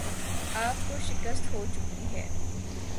آپ کو شکست ہوچکی ہے